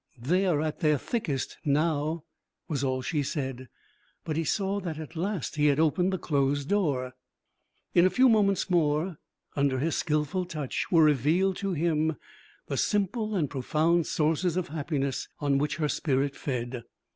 'They are at their thickest now,' was all she said; but he saw that at last he had opened the closed door. In a few moments more, under his skillful touch, were revealed to him the simple and profound sources of happiness on which her spirit fed.